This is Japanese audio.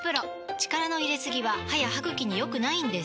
力の入れすぎは歯や歯ぐきに良くないんです